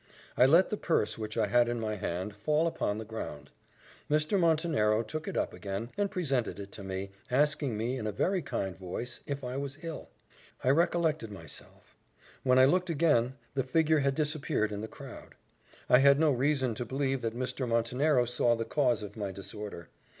I let the purse, which I had in my hand, fall upon the ground. Mr. Montenero took it up again, and presented it to me, asking me, in a very kind voice, "if I was ill." I recollected myself when I looked again, the figure had disappeared in the crowd. I had no reason to believe that Mr. Montenero saw the cause of my disorder.